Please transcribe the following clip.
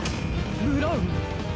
ブラウン！？